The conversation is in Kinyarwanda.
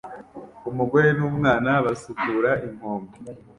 Umugore n'umwana basukura inkombe